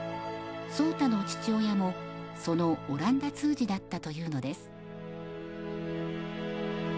壮多の父親もそのオランダ通詞だったというのです。